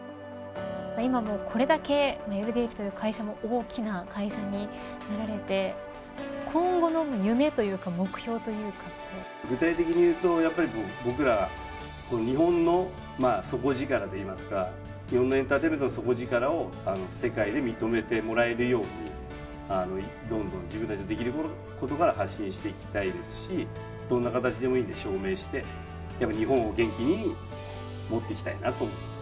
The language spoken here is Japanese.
これだけＬＤＨという会社も大きな会社になられて具体的に言うと僕ら、日本の底力といいますか日本のエンターテインメントの底力を世界で認めてもらえるようにどんどん自分たちでできることから発信していきたいですしどんな形でもいいんで証明をして日本を元気に持っていきたいなと思います。